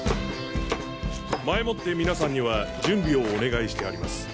前もって皆さんには準備をお願いしてあります。